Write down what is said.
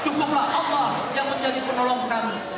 dan juga pada allah